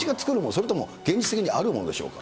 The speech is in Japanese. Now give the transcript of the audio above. それとも現実的にあるものでしょうか。